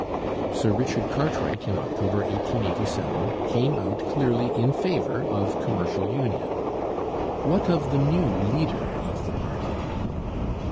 Sir Richard Cartwright in October 1887 came out clearly in favour of commercial union. What of the new leader of the party?